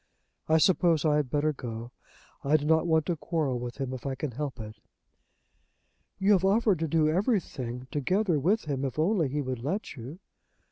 I suppose I had better go. I do not want to quarrel with him if I can help it." "You have offered to do everything together with him, if only he would let you."